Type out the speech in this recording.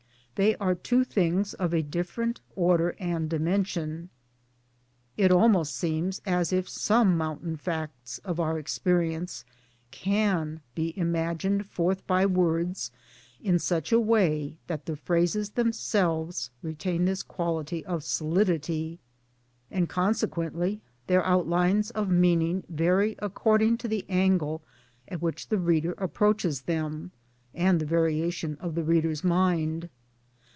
They are two things of a different order and dimension. It almost seems as if some mountain facts of our experience can be imaged forth by words in such a way that the phrases themselves retain this quality of solidity, and con sequently their outlines of meaning vary according to the angle at which the reader approaches them and the variation of the reader's mind.